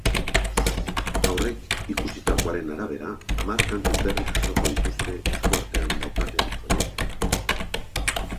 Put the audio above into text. Aurreikusitakoaren arabera, hamar kantu berri jasoko dituzte esku artean daukaten proiektuan.